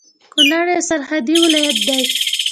کونړ يو سرحدي ولايت دی